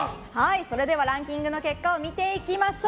それではランキングの結果を見ていきましょう。